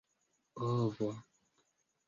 ovo